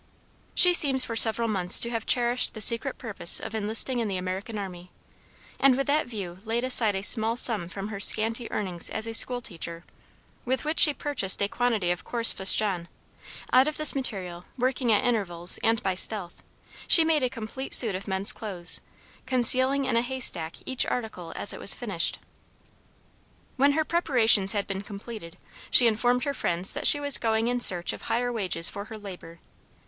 She seems for several months to have cherished the secret purpose of enlisting in the American army, and with that view laid aside a small sum from her scanty earnings as a school teacher, with which she purchased a quantity of coarse fustian; out of this material, working at intervals and by stealth, she made a complete suit of men's clothes, concealing in a hay stack each article as it was finished. When her preparations had been completed, she informed her friends that she was going in search of higher wages for her labor.